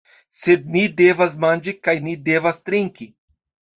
Sed ni devas manĝi kaj ni devas trinki.